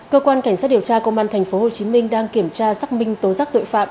cơ quan cảnh sát điều tra công an thành phố hồ chí minh đang kiểm tra xác minh tố giác tội phạm